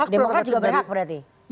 demokra juga berhak berarti